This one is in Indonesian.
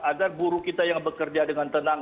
agar guru kita yang bekerja dengan tenang